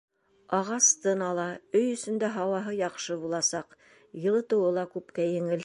Ағас тын ала, өй эсендә һауаһы яҡшы буласаҡ, йылытыуы ла күпкә еңел.